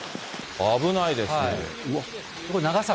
危ないです。